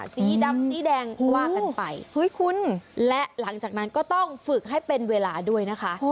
สีดำสีแดงว่ากันไปเฮ้ยคุณและหลังจากนั้นก็ต้องฝึกให้เป็นเวลาด้วยนะคะ